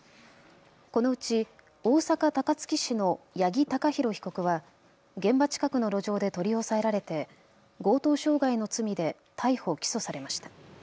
このうち大阪高槻市の八木貴寛被告は現場近くの路上で取り押さえられて強盗傷害の罪で逮捕・起訴されました。